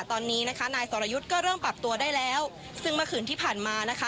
ตอนนี้นะคะนายสรยุทธ์ก็เริ่มปรับตัวได้แล้วซึ่งเมื่อคืนที่ผ่านมานะคะ